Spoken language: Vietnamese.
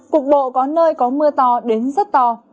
cục bộ có nơi có mưa to đến rất to